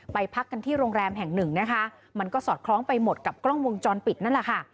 พักกันที่โรงแรมแห่งหนึ่งนะคะมันก็สอดคล้องไปหมดกับกล้องวงจรปิดนั่นแหละค่ะ